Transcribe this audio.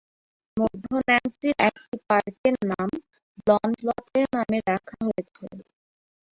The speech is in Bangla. মধ্য ন্যান্সির একটি পার্কের নাম ব্লন্ডলটের নামে রাখা হয়েছে।